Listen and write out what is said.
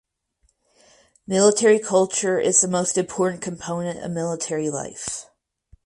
Military culture is the most important component of military life.